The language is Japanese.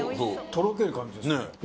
とろける感じです